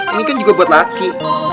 ini kan juga buat laki